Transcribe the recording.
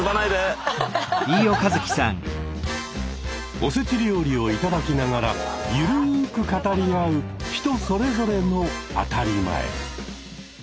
おせち料理を頂きながらゆるく語り合う人それぞれの「当たり前」。